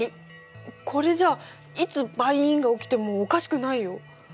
これじゃあいつ「バイン！」が起きてもおかしくないよ。